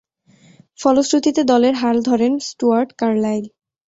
ফলশ্রুতিতে দলের হাল ধরেন স্টুয়ার্ট কার্লাইল।